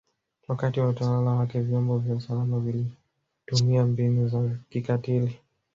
Wakati wa utawala wake vyombo vya usalama vilitumia mbinu za kikatili